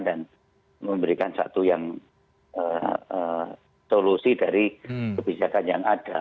dan memberikan satu yang solusi dari kebijakan yang ada